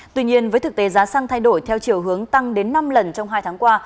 tuy nhiên với thực tế giá xăng thay đổi theo chiều hướng tăng đến năm lần trong hai tháng qua